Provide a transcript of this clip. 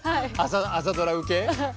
朝ドラ受け？